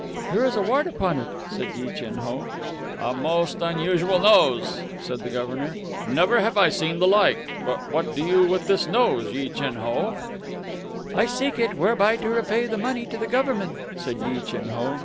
"There is a wart upon it," said Yi Chin Ho. "A most unusual nose," said the Governor. "Never have I seen the like. But what do you with this nose, Yi Chin Ho!" "I seek it whereby to repay the money to the government," said Yi Chin Ho.